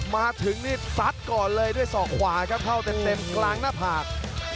มาถึงนี่ซัดก่อนเลยด้วยศอกขวาครับเข้าเต็มกลางหน้าผาก